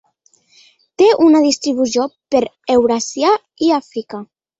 Té una distribució per Euràsia i Àfrica.